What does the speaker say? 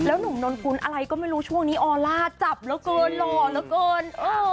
หนุ่มนนกุลอะไรก็ไม่รู้ช่วงนี้ออลล่าจับเหลือเกินหล่อเหลือเกิน